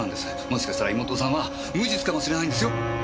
もしかしたら妹さんは無実かもしれないんですよ。